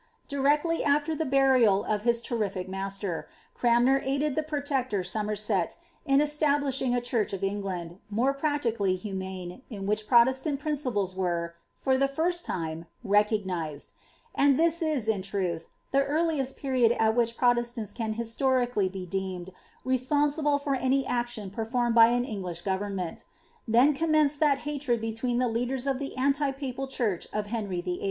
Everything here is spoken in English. Directly after the burial of his lerrilic master, Cranmer aided the pro tector Somerset in establishing a church of England, more pnriically humane, in whidi Protestant principles were, for the _/ir« finte, recog nised ; and this is, in truth, the earliest period at which Protestants can historicnily be deemed responsible for any action perfornted by an Eng lish govemmenL Then comtneneed that hatred between the leaders of the anti papal church of Henry VIII.